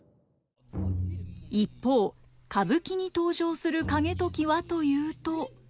一方歌舞伎に登場する景時はというと。